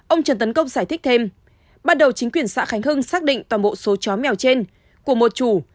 ông trần tấn công giải thích thêm ban đầu chính quyền xã khánh hưng xác định toàn bộ số chó mèo trên của một chủ